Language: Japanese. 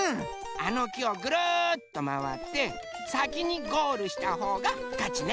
あの木をぐるっとまわってさきにゴールしたほうがかちね。